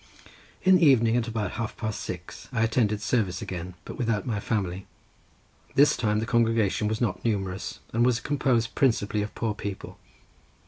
In the evening, at about half past six, I attended service again, but without my family. This time the congregation was not numerous, and was composed principally of poor people.